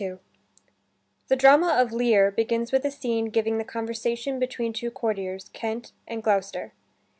II The drama of "Lear" begins with a scene giving the conversation between two courtiers, Kent and Gloucester.